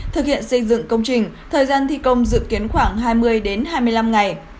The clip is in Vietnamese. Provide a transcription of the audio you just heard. thực hiện xây dựng công trình thời gian thi công dự kiến khoảng hai mươi đến hai mươi năm ngày